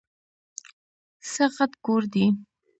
څه غټ کور دی ؟!